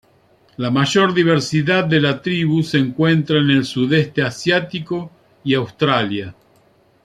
La mayor diversidad de la tribu se encuentra en el sudeste asiático y Australia.